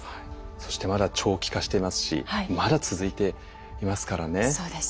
そしてまだ長期化してますしまだ続いていますからね。